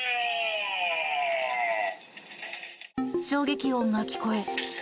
衝撃音が聞こえ